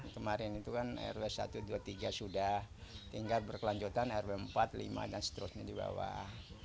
kemarin itu kan rw satu ratus dua puluh tiga sudah tinggal berkelanjutan rw empat lima dan seterusnya di bawah